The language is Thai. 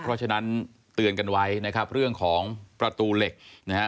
เพราะฉะนั้นเตือนกันไว้นะครับเรื่องของประตูเหล็กนะฮะ